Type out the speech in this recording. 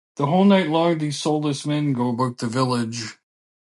The whole night long these soulless men go about the village.